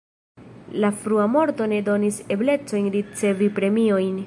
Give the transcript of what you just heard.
La frua morto ne donis eblecojn ricevi premiojn.